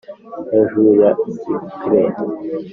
hejuru ya sicile